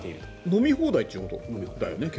飲み放題ということだよね。